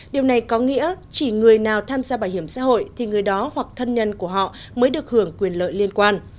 điều này có nghĩa chỉ người nào tham gia bảo hiểm xã hội thì người đó hoặc thân nhân của họ mới được hưởng quyền lợi liên quan